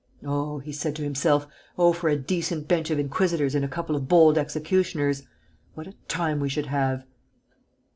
"Oh," he said to himself, "oh, for a decent bench of inquisitors and a couple of bold executioners!... What a time we should have!"